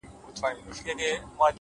امید انسان ژوندی ساتي؛